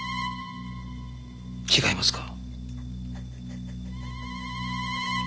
違いますか？